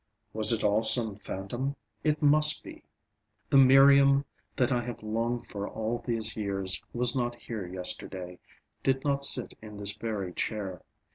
Was it all some phantom? It must be. The Miriam that I have longed for all these years was not here yesterday, did not sit in this very chair.